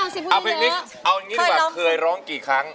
วิคเอานี่แบบเคยร้องกี่ครั้ง